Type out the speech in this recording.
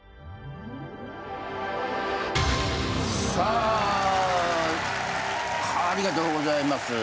ありがとうございます。